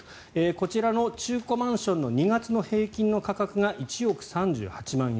こちらの中古マンションの２月の平均の価格が１億３８万円。